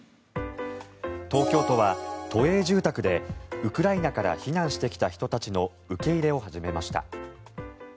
東京都は都営住宅でウクライナから避難してきた人たちの受け入れを始めました。